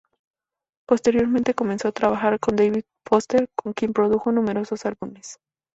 Posteriormente comenzó a trabajar con David Foster, con quien produjo numerosos álbumes.